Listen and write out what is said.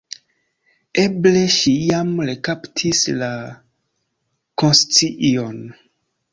Eble ŝi jam rekaptis la konscion.